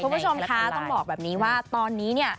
คุณผู้ชมคะต้องบอกแบบนี้ว่าตอนนี้เนี่ย